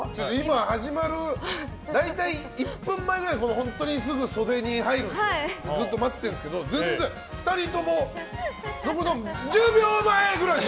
始まるだいたい１分前ぐらい本当にすぐ袖に入ってずっと待ってるんですけど２人とも「１０秒前！」ぐらいで。